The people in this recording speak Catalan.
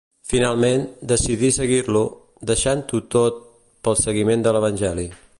Finalment, decidí seguir-lo, deixant-ho tot pel seguiment de l'Evangeli.